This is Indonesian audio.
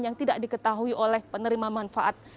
yang tidak diketahui oleh penerima manfaat